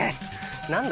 何だ？